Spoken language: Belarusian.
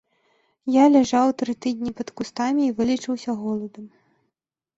Я ляжаў тры тыдні пад кустамі і вылечыўся голадам.